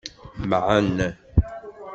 Mɛen.